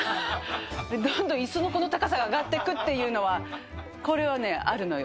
どんどんいすのこの高さが上がってくっていうのは、これはね、あるのよ。